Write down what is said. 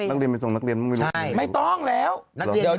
นักเรียนไม่ตรงนักเรียนไม่รู้ใช่ไม่ต้องแล้วนักเรียนยัง